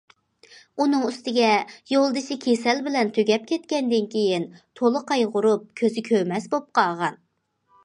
ئۇنىڭ ئۈستىگە يولدىشى كېسەل بىلەن تۈگەپ كەتكەندىن كېيىن، تولا قايغۇرۇپ كۆزى كۆرمەس بولۇپ قالغان.